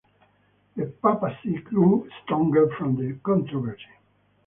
The papacy grew stronger from the controversy.